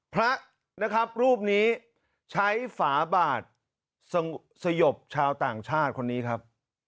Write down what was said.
พระนะครับรูปนี้ใช้ฝาบาดสยบชาวต่างชาติคนนี้ครับ